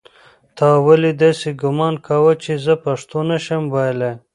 تا ولې داسې ګومان کاوه چې زه پښتو نه شم ویلی؟